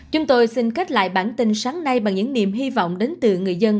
chúng tôi xin kết lại bản tin sáng nay bằng những niềm hy vọng đến từ người dân